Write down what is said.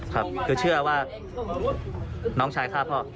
ครับคือเชื่อว่าน้องชายฆ่าพ่อ